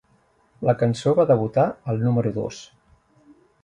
La cançó va debutar al número dos.